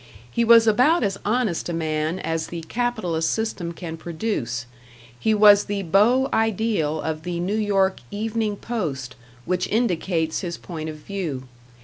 He was about as honest a man as the capitalist system can produce; he was the #beau ideal# of the New York "Evening Post", which indicates his point of view.